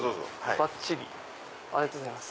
ありがとうございます。